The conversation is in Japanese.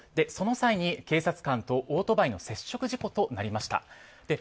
その際に警察官とオートバイの接触事故となりました。